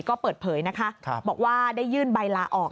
ก็เปิดเผยนะคะบอกว่าได้ยื่นใบลาออก